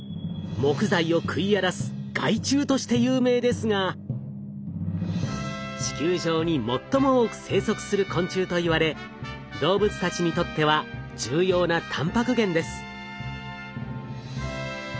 木材を食い荒らす害虫として有名ですが地球上に最も多く生息する昆虫といわれ動物たちにとっては重要なたんぱく源です。